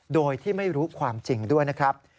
โดยที่ไม่รู้ความจริงด้วยนะครับ